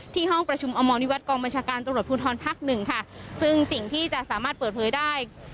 ห้องประชุมอมรณิวัตกองบัญชาการตำรวจภูทรภักดิ์หนึ่งค่ะซึ่งสิ่งที่จะสามารถเปิดเผยได้